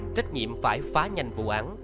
trách nhiệm phải phá nhanh vụ án